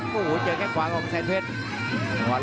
โอ้โหเจอแค่งขวาของแสนเพชร